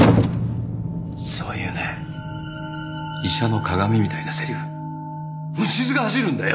そういうね医者の鑑みたいなセリフ虫ずが走るんだよ！